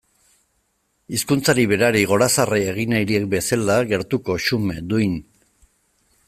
Hizkuntzari berari gorazarre egin nahirik bezala, gertuko, xume, duin.